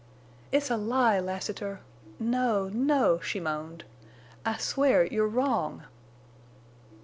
"It's a lie! Lassiter! No, no!" she moaned. "I swear—you're wrong!"